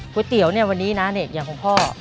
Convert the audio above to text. เตี๋ยวเนี่ยวันนี้นะเนี่ยอย่างของพ่อ